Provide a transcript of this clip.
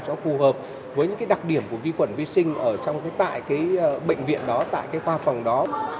cho phù hợp với những cái đặc điểm của vi khuẩn vi sinh ở trong tại cái bệnh viện đó tại cái khoa phòng đó